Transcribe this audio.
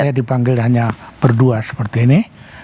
saya dipanggil hanya berdua seperti ini